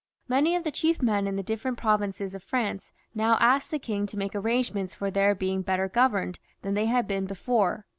Many of the chief men in the different provinces of France now asked the king to make arrangements for their being better governed than they had been before.